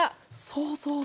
そうそうそう。